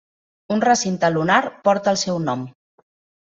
Un recinte lunar porta el seu nom.